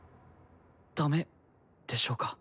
駄目でしょうか？